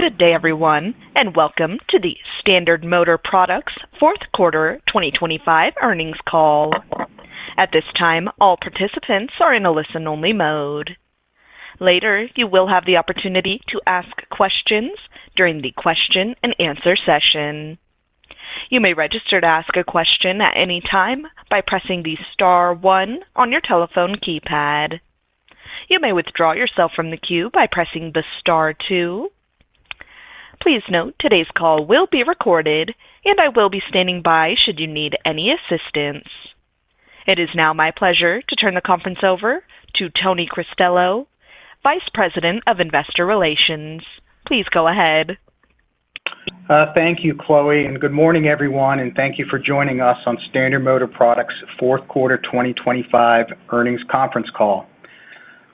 Good day, everyone, and welcome to the Standard Motor Products fourth quarter 2025 earnings call. At this time, all participants are in a listen-only mode. Later, you will have the opportunity to ask questions during the question-and-answer session. You may register to ask a question at any time by pressing the star one on your telephone keypad. You may withdraw yourself from the queue by pressing the star two. Please note, today's call will be recorded, and I will be standing by should you need any assistance. It is now my pleasure to turn the conference over to Tony Cristello, Vice President of Investor Relations. Please go ahead. Thank you, Chloe, and good morning everyone, and thank you for joining us on Standard Motor Products fourth quarter 2025 earnings conference call.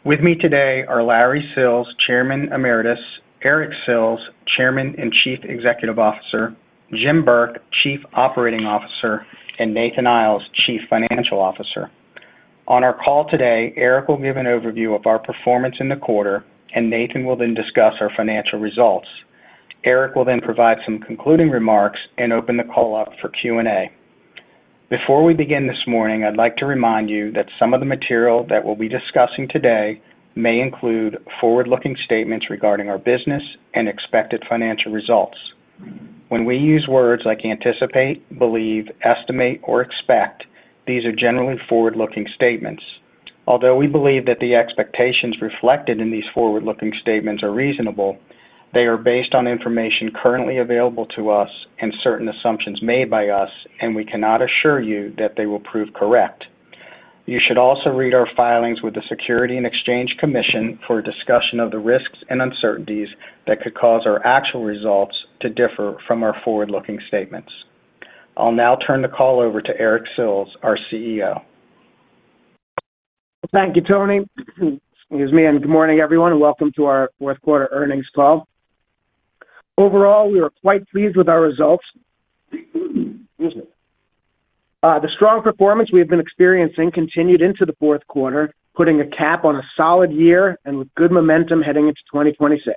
With me today are Larry Sills, Chairman Emeritus, Eric Sills, Chairman and Chief Executive Officer, Jim Burke, Chief Operating Officer, and Nathan Iles, Chief Financial Officer. On our call today, Eric will give an overview of our performance in the quarter, and Nathan will then discuss our financial results. Eric will then provide some concluding remarks and open the call up for Q&A. Before we begin this morning, I'd like to remind you that some of the material that we'll be discussing today may include forward-looking statements regarding our business and expected financial results. When we use words like anticipate, believe, estimate, or expect, these are generally forward-looking statements. Although we believe that the expectations reflected in these forward-looking statements are reasonable, they are based on information currently available to us and certain assumptions made by us, we cannot assure you that they will prove correct. You should also read our filings with the Securities and Exchange Commission for a discussion of the risks and uncertainties that could cause our actual results to differ from our forward-looking statements. I'll now turn the call over to Eric Sills, our CEO. Thank you, Tony. Excuse me, good morning, everyone, and welcome to our fourth quarter earnings call. Overall, we are quite pleased with our results. Excuse me. The strong performance we have been experiencing continued into the fourth quarter, putting a cap on a solid year and with good momentum heading into 2026.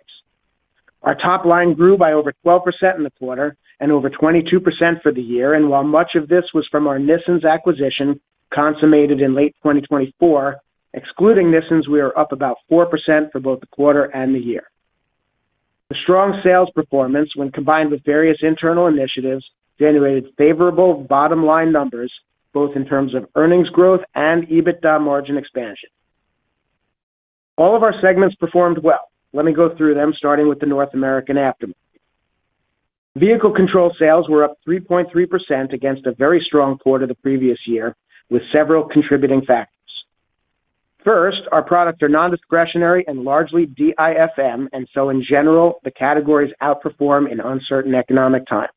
Our top line grew by over 12% in the quarter and over 22% for the year, while much of this was from our Nissens acquisition, consummated in late 2024, excluding Nissens, we are up about 4% for both the quarter and the year. The strong sales performance, when combined with various internal initiatives, generated favorable bottom line numbers, both in terms of earnings growth and EBITDA margin expansion. All of our segments performed well. Let me go through them, starting with the North American aftermarket. Vehicle Control sales were up 3.3% against a very strong quarter the previous year, with several contributing factors. First, our products are non-discretionary and largely DIFM. In general, the categories outperform in uncertain economic times.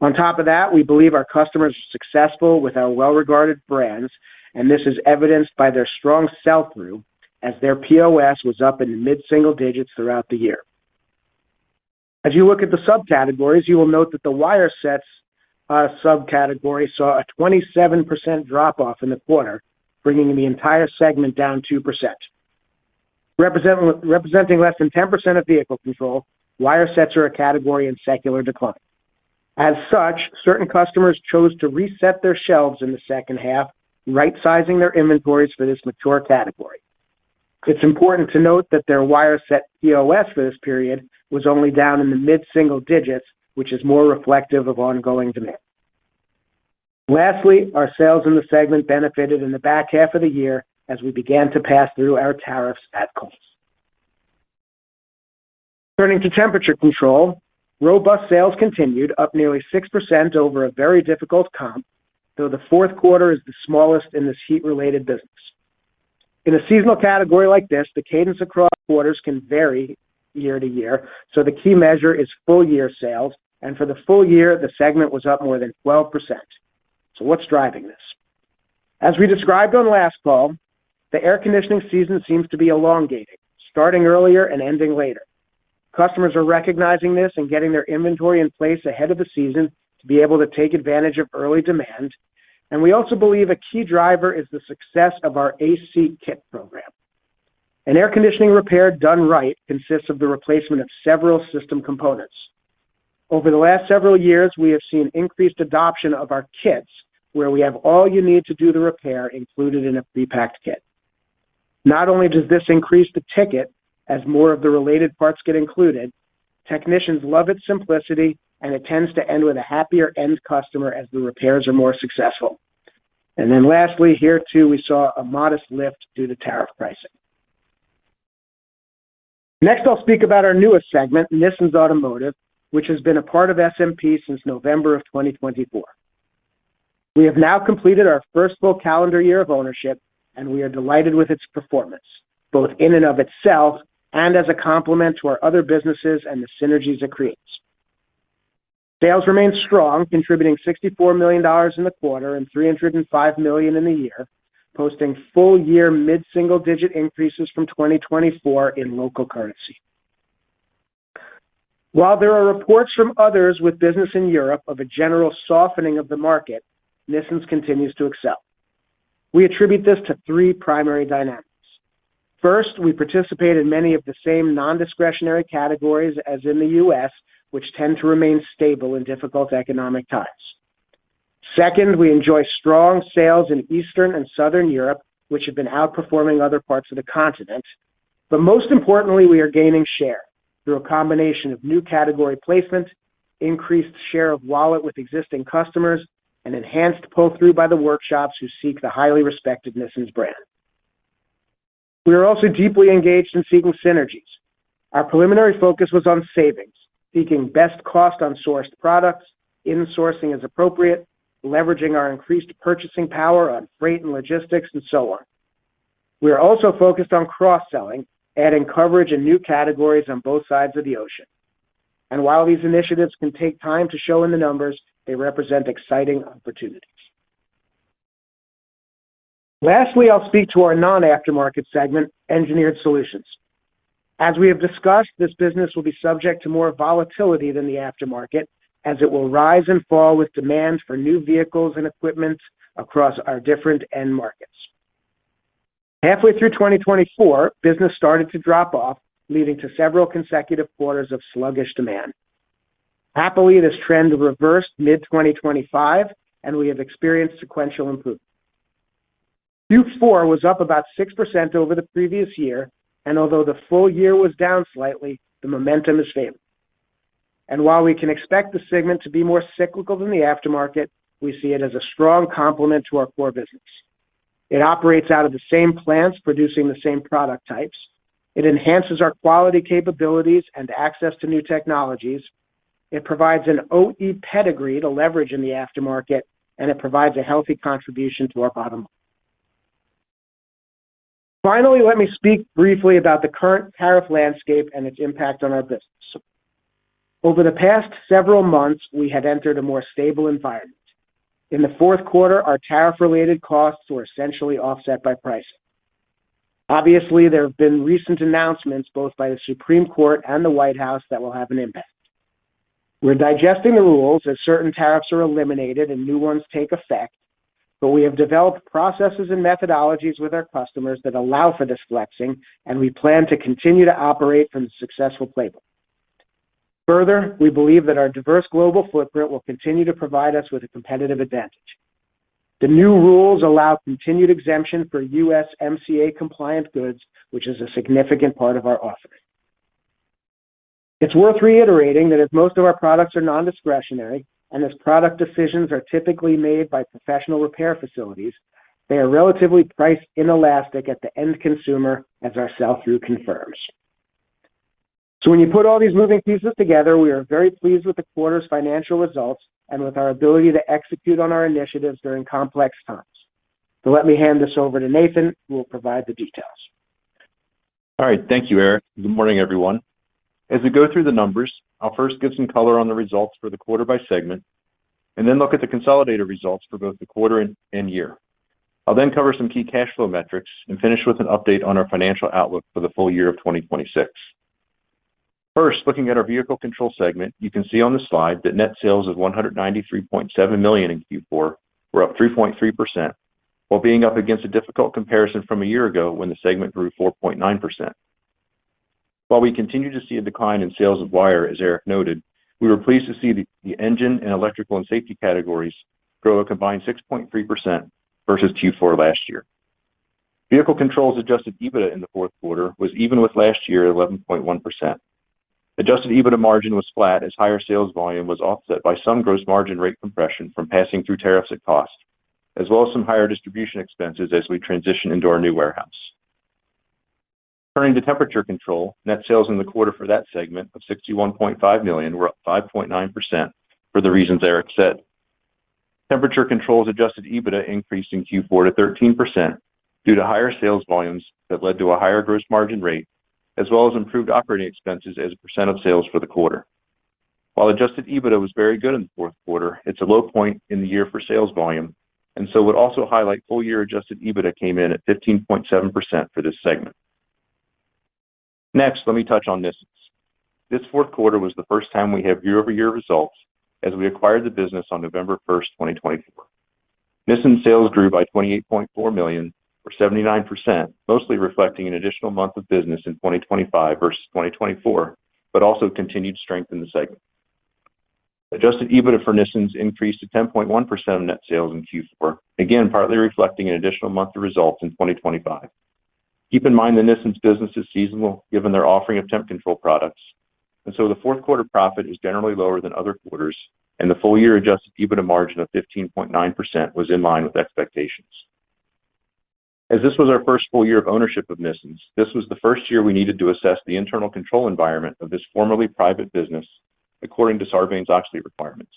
On top of that, we believe our customers are successful with our well-regarded brands. This is evidenced by their strong sell-through, as their POS was up in the mid-single digits throughout the year. As you look at the subcategories, you will note that the wire sets subcategory saw a 27% drop-off in the quarter, bringing the entire segment down 2%. Representing less than 10% of Vehicle Control, wire sets are a category in secular decline. Certain customers chose to reset their shelves in the second half, right-sizing their inventories for this mature category. It's important to note that their wire set POS for this period was only down in the mid-single digits, which is more reflective of ongoing demand. Our sales in the segment benefited in the back half of the year as we began to pass through our tariffs at cost. Turning to Temperature Control, robust sales continued, up nearly 6% over a very difficult comp, though the fourth quarter is the smallest in this heat-related business. In a seasonal category like this, the cadence across quarters can vary year-to-year, the key measure is full-year sales, and for the full year, the segment was up more than 12%. What's driving this? As we described on last fall, the air conditioning season seems to be elongating, starting earlier and ending later. Customers are recognizing this and getting their inventory in place ahead of the season to be able to take advantage of early demand. We also believe a key driver is the success of our AC kit program. An air conditioning repair done right consists of the replacement of several system components. Over the last several years, we have seen increased adoption of our kits, where we have all you need to do the repair included in a prepacked kit. Not only does this increase the ticket as more of the related parts get included, technicians love its simplicity. It tends to end with a happier end customer as the repairs are more successful. Lastly, here too, we saw a modest lift due to tariff pricing. Next, I'll speak about our newest segment, Nissens Automotive, which has been a part of SMP since November of 2024. We have now completed our first full calendar year of ownership, we are delighted with its performance, both in and of itself and as a complement to our other businesses and the synergies it creates. Sales remained strong, contributing $64 million in the quarter and $305 million in the year, posting full-year mid-single-digit increases from 2024 in local currency. While there are reports from others with business in Europe of a general softening of the market, Nissens continues to excel. We attribute this to three primary dynamics. First, we participate in many of the same non-discretionary categories as in the U.S., which tend to remain stable in difficult economic times. Second, we enjoy strong sales in Eastern and Southern Europe, which have been outperforming other parts of the continent. Most importantly, we are gaining share through a combination of new category placement, increased share of wallet with existing customers, and enhanced pull-through by the workshops who seek the highly respected Nissens brand. We are also deeply engaged in seeking synergies. Our preliminary focus was on savings, seeking best cost on sourced products, insourcing as appropriate, leveraging our increased purchasing power on freight and logistics, and so on. We are also focused on cross-selling, adding coverage in new categories on both sides of the ocean. While these initiatives can take time to show in the numbers, they represent exciting opportunities. Lastly, I'll speak to our non-aftermarket segment, Engineered Solutions. As we have discussed, this business will be subject to more volatility than the aftermarket, as it will rise and fall with demand for new vehicles and equipment across our different end markets. Halfway through 2024, business started to drop off, leading to several consecutive quarters of sluggish demand. Happily, this trend reversed mid-2025, We have experienced sequential improvement. Q4 was up about 6% over the previous year, Although the full year was down slightly, the momentum is same. While we can expect the segment to be more cyclical than the aftermarket, we see it as a strong complement to our core business. It operates out of the same plants, producing the same product types. It enhances our quality capabilities and access to new technologies. It provides an OE pedigree to leverage in the aftermarket, It provides a healthy contribution to our bottom line. Finally, let me speak briefly about the current tariff landscape and its impact on our business. Over the past several months, we have entered a more stable environment. In the fourth quarter, our tariff-related costs were essentially offset by pricing. Obviously, there have been recent announcements, both by the Supreme Court and the White House, that will have an impact. We're digesting the rules as certain tariffs are eliminated and new ones take effect, but we have developed processes and methodologies with our customers that allow for this flexing, and we plan to continue to operate from the successful playbook. We believe that our diverse global footprint will continue to provide us with a competitive advantage. The new rules allow continued exemption for USMCA-compliant goods, which is a significant part of our offering. It's worth reiterating that as most of our products are non-discretionary, and as product decisions are typically made by professional repair facilities, they are relatively priced inelastic at the end consumer as our sell-through confirms. When you put all these moving pieces together, we are very pleased with the quarter's financial results and with our ability to execute on our initiatives during complex times. Let me hand this over to Nathan, who will provide the details. All right. Thank you, Eric. Good morning, everyone. As we go through the numbers, I'll first give some color on the results for the quarter by segment, and then look at the consolidated results for both the quarter and year. I'll cover some key cash flow metrics and finish with an update on our financial outlook for the full year of 2026. First, looking at our Vehicle Control segment, you can see on this slide that net sales of $193.7 million in Q4 were up 3.3%, while being up against a difficult comparison from a year ago when the segment grew 4.9%. While we continue to see a decline in sales of wire, as Eric noted, we were pleased to see the engine and electrical and safety categories grow a combined 6.3% versus Q4 last year. Vehicle Control Adjusted EBITDA in the fourth quarter was even with last year, 11.1%. Adjusted EBITDA margin was flat as higher sales volume was offset by some gross margin rate compression from passing through tariffs at cost, as well as some higher distribution expenses as we transition into our new warehouse. Turning to Temperature Control, net sales in the quarter for that segment of $61.5 million were up 5.9% for the reasons Eric said. Temperature Control's adjusted EBITDA increased in Q4 to 13% due to higher sales volumes that led to a higher gross margin rate, as well as improved operating expenses as a percent of sales for the quarter. While adjusted EBITDA was very good in the fourth quarter, it's a low point in the year for sales volume, and so would also highlight full-year adjusted EBITDA came in at 15.7% for this segment. Next, let me touch on Nissens. This fourth quarter was the first time we have year-over-year results as we acquired the business on November first, 2024. Nissens sales grew by $28.4 million or 79%, mostly reflecting an additional month of business in 2025 versus 2024, but also continued strength in the segment. Adjusted EBITDA for Nissens increased to 10.1% of net sales in Q4, again, partly reflecting an additional month of results in 2025. Keep in mind, the Nissens business is seasonal, given their offering of temp control products, the fourth quarter profit is generally lower than other quarters, and the full-year adjusted EBITDA margin of 15.9% was in line with expectations. As this was our first full year of ownership of Nissens, this was the first year we needed to assess the internal control environment of this formerly private business according to Sarbanes-Oxley requirements.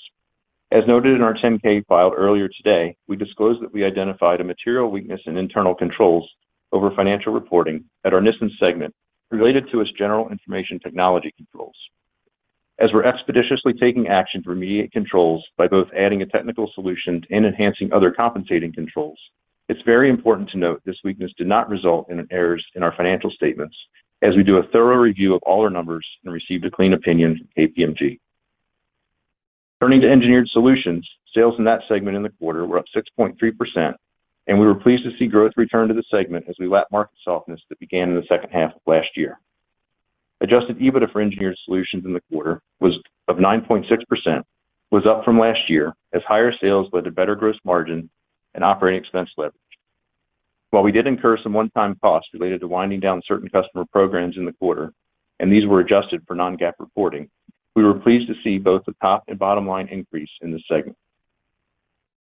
As noted in our 10-K filed earlier today, we disclosed that we identified a material weakness in internal controls over financial reporting at our Nissens segment related to its general information technology controls. We're expeditiously taking action to remediate controls by both adding a technical solution and enhancing other compensating controls. It's very important to note this weakness did not result in an error in our financial statements, as we do a thorough review of all our numbers and received a clean opinion from KPMG. Turning to Engineered Solutions, sales in that segment in the quarter were up 6.3%. We were pleased to see growth return to the segment as we lap market softness that began in the second half of last year. Adjusted EBITDA for Engineered Solutions in the quarter was up 9.6% from last year as higher sales led to better gross margin and operating expense leverage. While we did incur some one-time costs related to winding down certain customer programs in the quarter, and these were adjusted for non-GAAP reporting, we were pleased to see both the top and bottom line increase in this segment.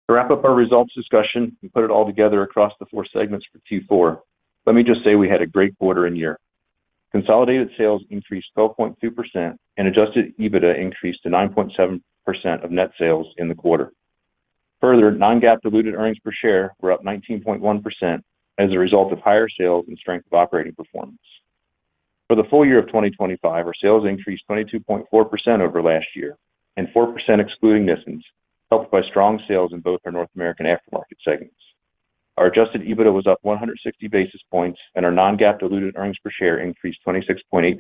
To wrap up our results discussion, we put it all together across the four segments for Q4. Let me just say we had a great quarter and year. Consolidated sales increased 12.2%, and adjusted EBITDA increased to 9.7% of net sales in the quarter. Non-GAAP diluted earnings per share were up 19.1% as a result of higher sales and strength of operating performance. For the full year of 2025, our sales increased 22.4% over last year and 4% excluding Nissens, helped by strong sales in both our North American aftermarket segments. Our adjusted EBITDA was up 160 basis points, and our non-GAAP diluted earnings per share increased 26.8%.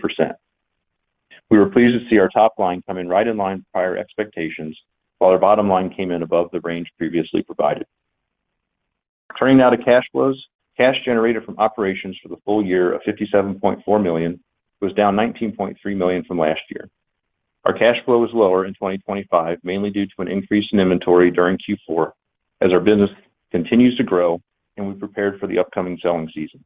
We were pleased to see our top line come in right in line with prior expectations, while our bottom line came in above the range previously provided. Turning now to cash flows. Cash generated from operations for the full year of $57.4 million was down $19.3 million from last year. Our cash flow was lower in 2025, mainly due to an increase in inventory during Q4 as our business continues to grow and we prepared for the upcoming selling season.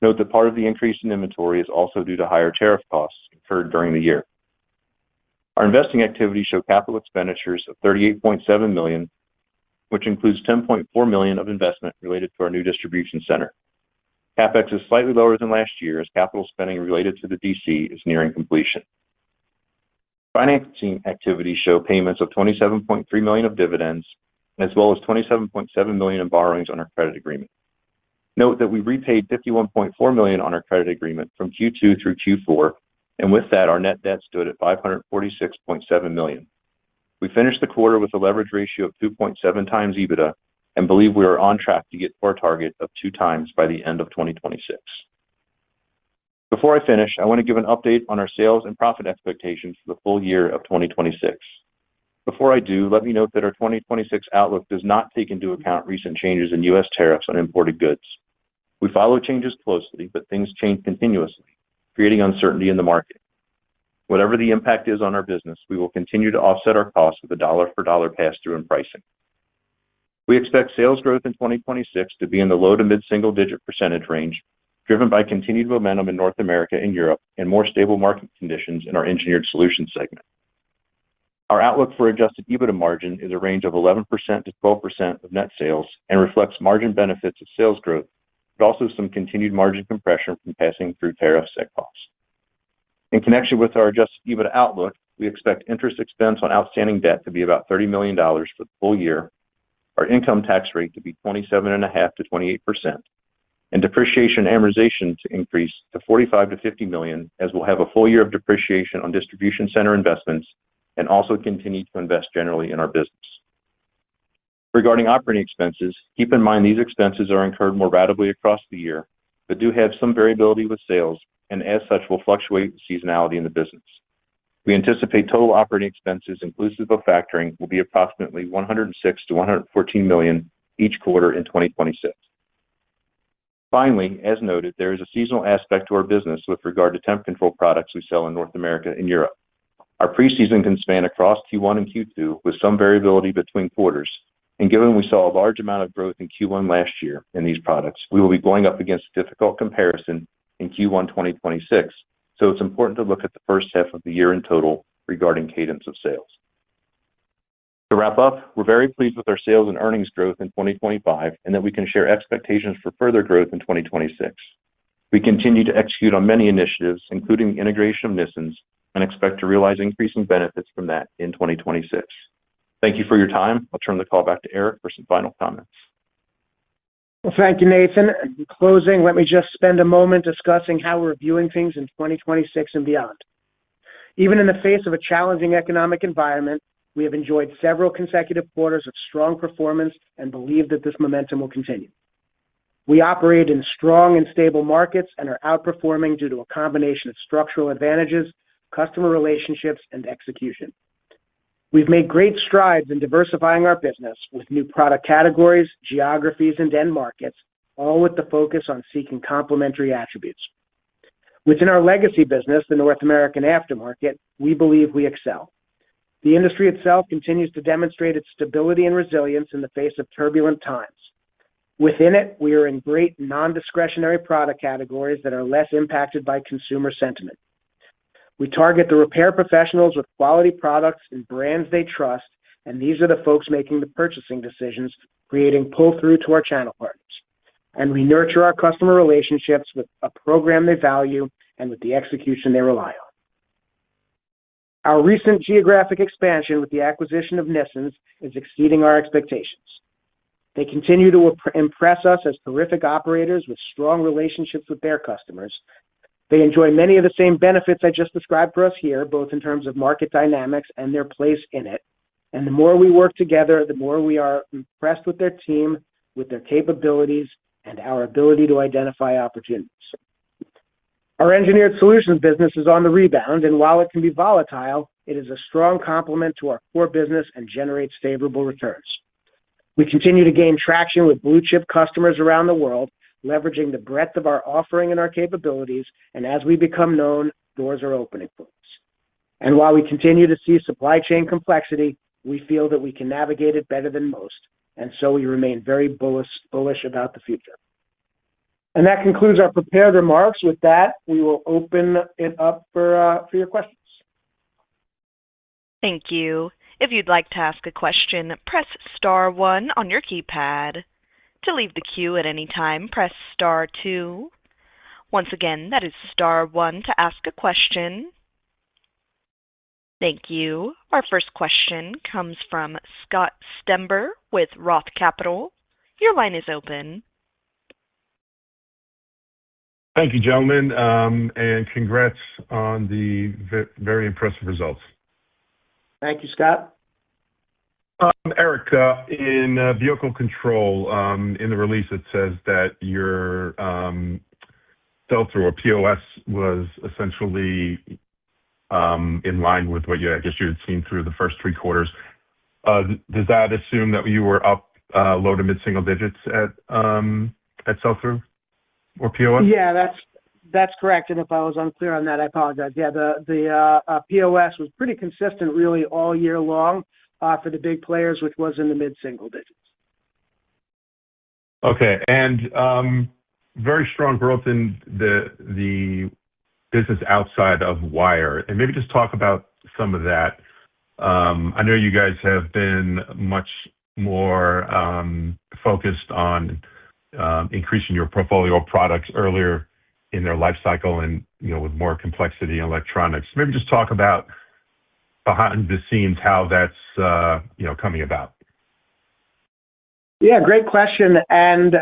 Note that part of the increase in inventory is also due to higher tariff costs incurred during the year. Our investing activities show capital expenditures of $38.7 million, which includes $10.4 million of investment related to our new distribution centre. CapEx is slightly lower than last year, as capital spending related to the DC is nearing completion. Financing activities show payments of $27.3 million of dividends, as well as $27.7 million in borrowings on our credit agreement. Note that we repaid $51.4 million on our credit agreement from Q2 through Q4, and with that, our net debt stood at $546.7 million. We finished the quarter with a leverage ratio of 2.7x EBITDA and believe we are on track to get to our target of 2x by the end of 2026. Before I finish, I want to give an update on our sales and profit expectations for the full year of 2026. Before I do, let me note that our 2026 outlook does not take into account recent changes in U.S. tariffs on imported goods. We follow changes closely, but things change continuously, creating uncertainty in the market. Whatever the impact is on our business, we will continue to offset our costs with a dollar-for-dollar pass-through in pricing. We expect sales growth in 2026 to be in the low to mid-single-digit percentage range, driven by continued momentum in North America and Europe and more stable market conditions in our Engineered Solutions segment. Our outlook for adjusted EBITDA margin is a range of 11%-12% of net sales and reflects margin benefits of sales growth, but also some continued margin compression from passing through tariff set costs. In connection with our adjusted EBITDA outlook, we expect interest expense on outstanding debt to be about $30 million for the full year. Our income tax rate to be 27.5%-28%, and depreciation amortization to increase to $45 million-$50 million, as we'll have a full year of depreciation on distribution center investments and also continue to invest generally in our business. Regarding operating expenses, keep in mind these expenses are incurred more ratably across the year, but do have some variability with sales and as such, will fluctuate with seasonality in the business. We anticipate total operating expenses, inclusive of factoring, will be approximately $106 million-$114 million each quarter in 2026. As noted, there is a seasonal aspect to our business with regard to Temperature Control products we sell in North America and Europe. Our pre-season can span across Q1 and Q2, with some variability between quarters, and given we saw a large amount of growth in Q1 last year in these products, we will be going up against a difficult comparison in Q1 2026. It's important to look at the first half of the year in total regarding cadence of sales. To wrap up, we're very pleased with our sales and earnings growth in 2025, and that we can share expectations for further growth in 2026. We continue to execute on many initiatives, including the integration of Nissens, and expect to realize increasing benefits from that in 2026. Thank you for your time. I'll turn the call back to Eric for some final comments. Well, thank you, Nathan. In closing, let me just spend a moment discussing how we're viewing things in 2026 and beyond. Even in the face of a challenging economic environment, we have enjoyed several consecutive quarters of strong performance and believe that this momentum will continue. We operate in strong and stable markets and are outperforming due to a combination of structural advantages, customer relationships, and execution. We've made great strides in diversifying our business with new product categories, geographies, and end markets, all with the focus on seeking complementary attributes. Within our legacy business, the North American aftermarket, we believe we excel. The industry itself continues to demonstrate its stability and resilience in the face of turbulent times. Within it, we are in great non-discretionary product categories that are less impacted by consumer sentiment. We target the repair professionals with quality products and brands they trust. These are the folks making the purchasing decisions, creating pull-through to our channel partners. We nurture our customer relationships with a program they value and with the execution they rely on. Our recent geographic expansion with the acquisition of Nissens is exceeding our expectations. They continue to impress us as terrific operators with strong relationships with their customers. They enjoy many of the same benefits I just described for us here, both in terms of market dynamics and their place in it. The more we work together, the more we are impressed with their team, with their capabilities, and our ability to identify opportunities. Our Engineered Solutions business is on the rebound, and while it can be volatile, it is a strong complement to our core business and generates favorable returns. We continue to gain traction with blue-chip customers around the world, leveraging the breadth of our offering and our capabilities. As we become known, doors are opening for us. While we continue to see supply chain complexity, we feel that we can navigate it better than most. So we remain very bullish about the future. That concludes our prepared remarks. With that, we will open it up for your questions. Thank you. If you'd like to ask a question, press star one on your keypad. To leave the queue at any time, press star two. Once again, that is star one to ask a question. Thank you. Our first question comes from Scott Stember with Roth Capital. Your line is open. Thank you, gentlemen, and congrats on the very impressive results. Thank you, Scott. Eric, in Vehicle Control, in the release, it says that your sell-through or POS was essentially in line with what you, I guess you had seen through the first three quarters. Does that assume that you were up low to mid-single digits at sell-through or POS? Yeah, that's correct. If I was unclear on that, I apologize. Yeah, the POS was pretty consistent really all year long for the big players, which was in the mid-single digits. Okay. very strong growth in the business outside of wire. maybe just talk about some of that. I know you guys have been much more focused on increasing your portfolio of products earlier in their life cycle and, you know, with more complexity in electronics. Maybe just talk about behind the scenes, how that's, you know, coming about. Yeah, great question, and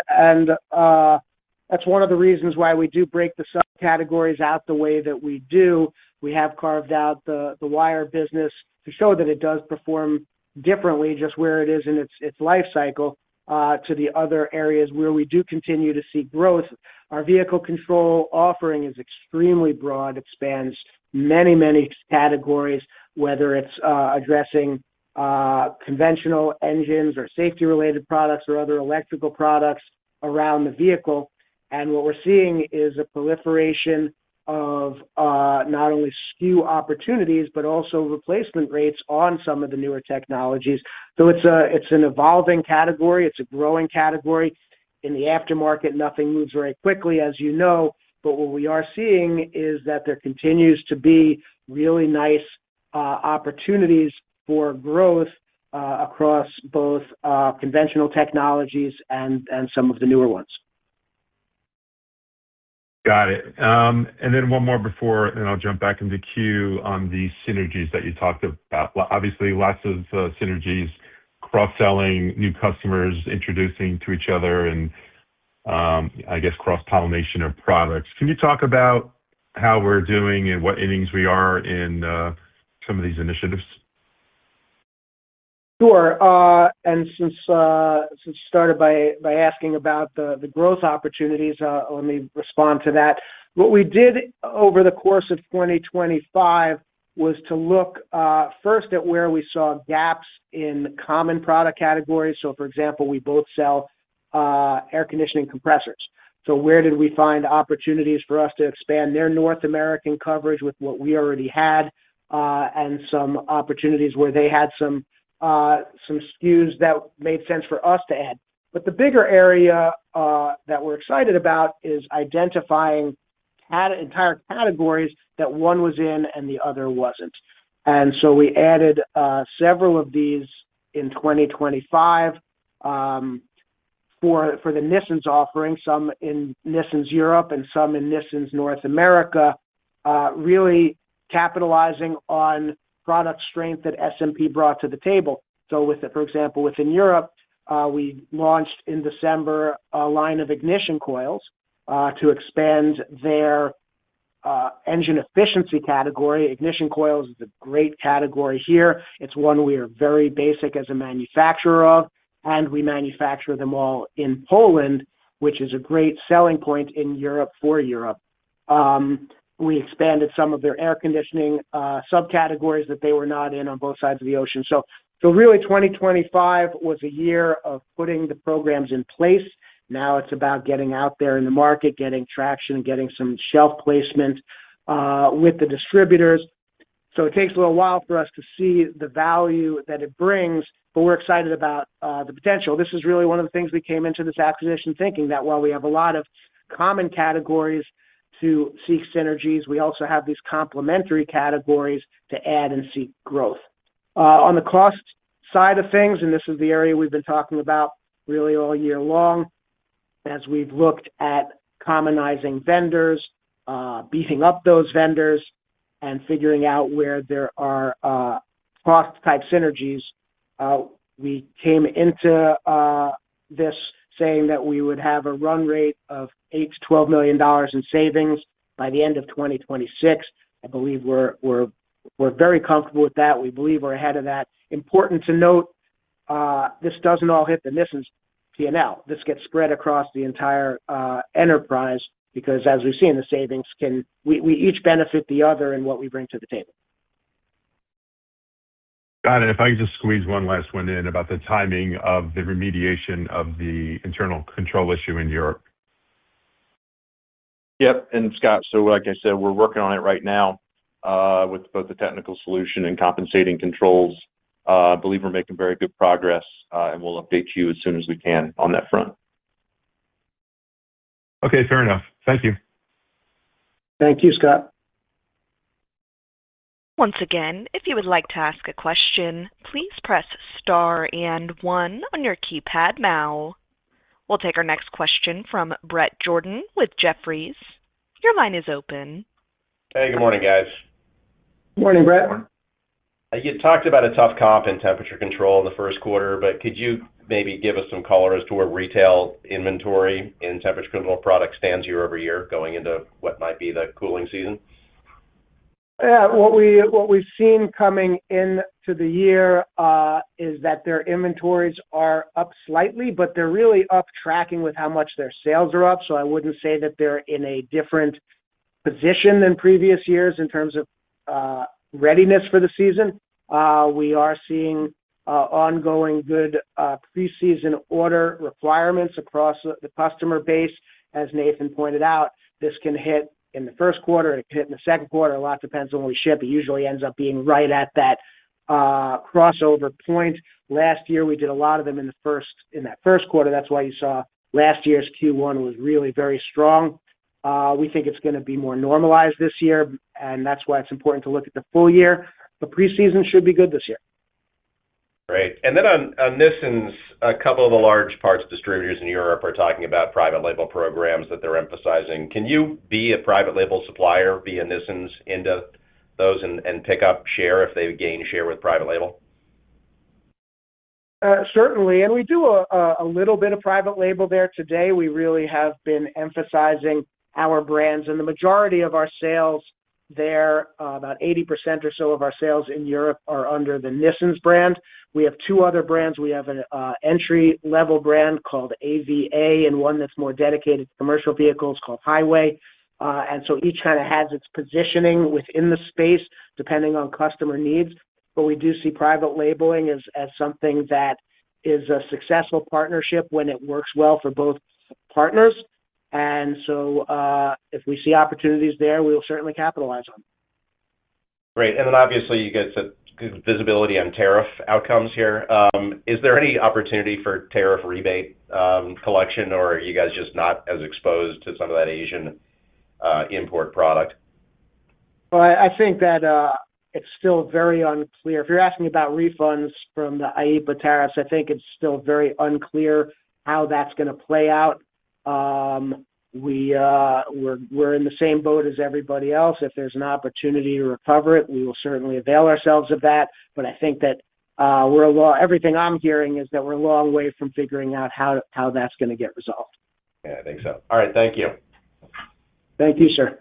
that's one of the reasons why we do break the subcategories out the way that we do. We have carved out the wire business to show that it does perform differently, just where it is in its life cycle, to the other areas where we do continue to see growth. Our Vehicle Control offering is extremely broad. It spans many categories, whether it's addressing conventional engines or safety-related products or other electrical products around the vehicle. What we're seeing is a proliferation of not only SKU opportunities, but also replacement rates on some of the newer technologies. It's an evolving category, it's a growing category. In the aftermarket, nothing moves very quickly, as you know, but what we are seeing is that there continues to be really nice opportunities for growth across both conventional technologies and some of the newer ones. Got it. Then one more before, and I'll jump back in the queue on the synergies that you talked about. Obviously, lots of synergies, cross-selling, new customers, introducing to each other and, I guess cross-pollination of products. Can you talk about how we're doing and what innings we are in some of these initiatives? Sure. Since you started by asking about the growth opportunities, let me respond to that. What we did over the course of 2025 was to look first at where we saw gaps in the common product categories. For example, we both sell air conditioning compressors. Where did we find opportunities for us to expand their North American coverage with what we already had, and some opportunities where they had some SKUs that made sense for us to add? The bigger area that we're excited about is identifying entire categories that one was in and the other wasn't. We added several of these in 2025 for the Nissens offering, some in Nissens Europe and some in Nissens North America, really capitalizing on product strength that SMP brought to the table. With, for example, within Europe, we launched in December a line of ignition coils to expand their engine efficiency category. Ignition coils is a great category here. It's one we are very basic as a manufacturer of, and we manufacture them all in Poland, which is a great selling point in Europe for Europe. We expanded some of their air conditioning subcategories that they were not in on both sides of the ocean. Really, 2025 was a year of putting the programs in place. It's about getting out there in the market, getting traction, getting some shelf placement with the distributors. It takes a little while for us to see the value that it brings, but we're excited about the potential. This is really one of the things we came into this acquisition thinking that while we have a lot of common categories to seek synergies, we also have these complementary categories to add and seek growth. On the cost side of things, this is the area we've been talking about really all year long, as we've looked at commonizing vendors, beefing up those vendors, and figuring out where there are cost-type synergies. We came into this saying that we would have a run rate of $8 million-$12 million in savings by the end of 2026. I believe we're very comfortable with that. We believe we're ahead of that. Important to note, this doesn't all hit the Nissens P&L. This gets spread across the entire enterprise, because as we've seen, the savings we each benefit the other in what we bring to the table. Got it. If I could just squeeze one last one in about the timing of the remediation of the internal control issue in Europe. Scott, like I said, we're working on it right now with both the technical solution and compensating controls. I believe we're making very good progress, and we'll update you as soon as we can on that front. Okay, fair enough. Thank you. Thank you, Scott. Once again, if you would like to ask a question, please press star and one on your keypad now. We'll take our next question from Bret Jordan with Jefferies. Your line is open. Hey, good morning, guys. Good morning, Bret. You talked about a tough comp in Temperature Control in the first quarter. Could you maybe give us some color as to where retail inventory in Temperature Control product stands year-over-year, going into what might be the cooling season? Yeah, what we've seen coming into the year, is that their inventories are up slightly, but they're really up tracking with how much their sales are up, so I wouldn't say that they're in a different position than previous years in terms of readiness for the season. We are seeing ongoing good preseason order requirements across the customer base. As Nathan pointed out, this can hit in the first quarter, it can hit in the second quarter. A lot depends on when we ship. It usually ends up being right at that crossover point. Last year, we did a lot of them in that first quarter. That's why you saw last year's Q1 was really very strong. We think it's gonna be more normalized this year, and that's why it's important to look at the full year. The preseason should be good this year. Great. Then on Nissens, a couple of the large parts distributors in Europe are talking about private label programs that they're emphasizing. Can you be a private label supplier, be it Nissens, into those and pick up share if they gain share with private label? Certainly, we do a little bit of private label there today. We really have been emphasizing our brands, and the majority of our sales there, about 80% or so of our sales in Europe are under the Nissens brand. We have two other brands. We have an entry-level brand called AVA, and one that's more dedicated to commercial vehicles called Highway. Each kind of has its positioning within the space, depending on customer needs. We do see private labeling as something that is a successful partnership when it works well for both partners. If we see opportunities there, we'll certainly capitalize on them. Great. Obviously, you get some visibility on tariff outcomes here. Is there any opportunity for tariff rebate, collection, or are you guys just not as exposed to some of that Asian, import product? Well, I think that it's still very unclear. If you're asking about refunds from the IEEPA tariffs, I think it's still very unclear how that's gonna play out. We're in the same boat as everybody else. If there's an opportunity to recover it, we will certainly avail ourselves of that. I think that everything I'm hearing is that we're a long way from figuring out how that's gonna get resolved. Yeah, I think so. All right. Thank you. Thank you, sir.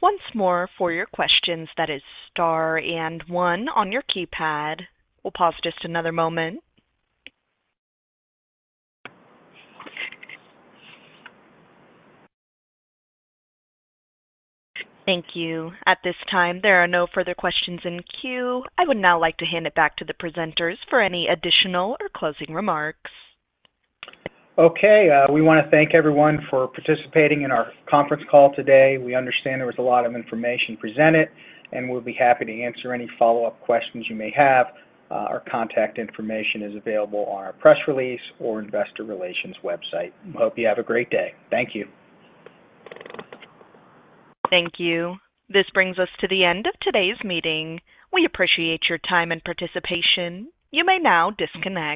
Once more for your questions, that is star and one on your keypad. We'll pause just another moment. Thank you. At this time, there are no further questions in queue. I would now like to hand it back to the presenters for any additional or closing remarks. Okay, we want to thank everyone for participating in our conference call today. We understand there was a lot of information presented, and we'll be happy to answer any follow-up questions you may have. Our contact information is available on our press release or investor relations website. We hope you have a great day. Thank you. Thank you. This brings us to the end of today's meeting. We appreciate your time and participation. You may now disconnect.